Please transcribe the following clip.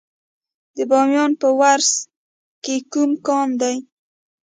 د بامیان په ورس کې کوم کان دی؟